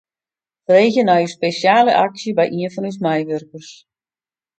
Freegje nei ús spesjale aksje by ien fan ús meiwurkers.